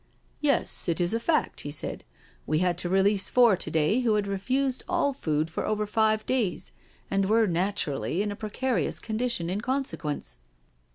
*' Yes, it is a fact," he said. " We had to release four to day who had refused all food for over five days and were naturally in a precarious condition in consequence."